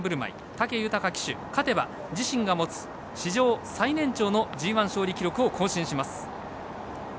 武豊騎手、勝てば自身が持つ史上最年長のＧＩ勝利記録を更新します。